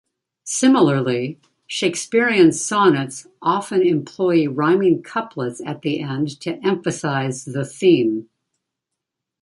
Similarly, Shakespearean sonnets often employ rhyming couplets at the end to emphasize the theme.